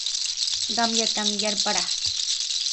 Qamllatami yarparaa.